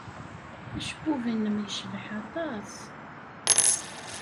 Acebbub-nnem yecbeḥ aṭas.